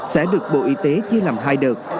sẽ được bộ y tế chia làm hai đợt